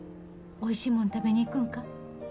おいしいもん食べに行くんか？